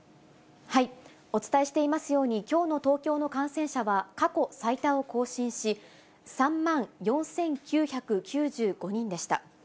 お伝えしていますように、きょうの東京の感染者は過去最多を更新し、３万４９９５人でした。